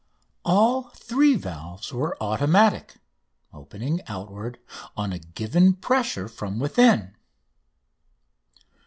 All three valves were automatic, opening outward on a given pressure from within.